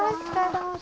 どうぞ。